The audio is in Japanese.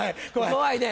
怖いね！